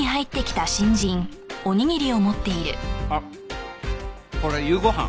あっこれ夕ご飯。